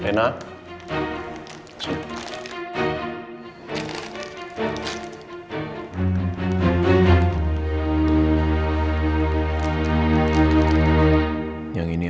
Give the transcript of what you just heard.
rotinya semua enak